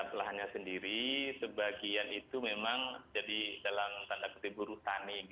tapi kalau orang tua siswa sendiri sebagian itu memang jadi tanda kutip buruh tani